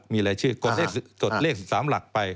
กดเลข๑๓หลักไป